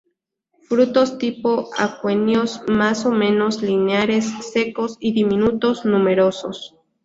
Frutos tipo aquenios más o menos lineares, secos y diminutos, numerosos.